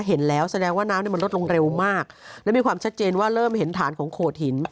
เห็นแล้วแสดงว่าน้ำเนี่ยมันลดลงเร็วมากและมีความชัดเจนว่าเริ่มเห็นฐานของโขดหิน